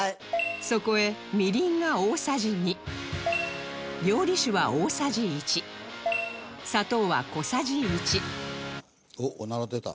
そこへみりんが大さじ２料理酒は大さじ１砂糖は小さじ１おっオナラ出た。